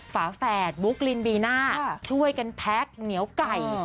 ฝาแฝดบุ๊กลินบีน่าช่วยกันแพ็คเหนียวไก่